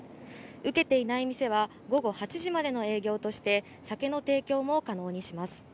受けていない店は午後８時までの営業として、酒の提供も可能にします。